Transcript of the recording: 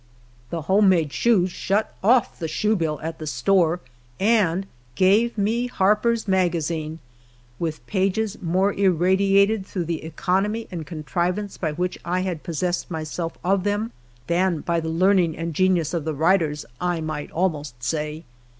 The home made shoes shut off the shoe bill at the store, and gave me Harper's magazine, with pages more irradiated through the economy and contrivance by which I had possessed myself of them, than by the learning and genius of tiie writers, I might almost say.